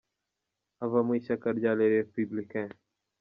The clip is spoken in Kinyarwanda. Ava mu ishyaka rya Les Republicains.